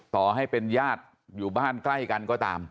ต่อให้เป็นญาติอยู่บ้านใกล้กันก็ตาม